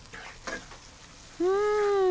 うん！